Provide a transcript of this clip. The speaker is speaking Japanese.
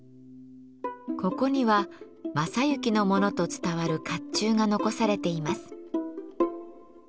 ここには昌幸のものと伝わる甲冑が残されています。